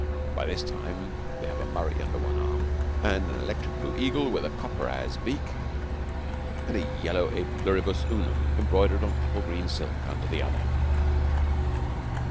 By this time they have a 'Murray' under one arm and an electric blue eagle with a copperas beak and a yellow 'E pluribus unum' embroidered on apple green silk, under the other.